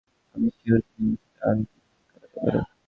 আমি শিওর তুমি আমার সাথে আরো কিছুক্ষণ কাটাতে পার।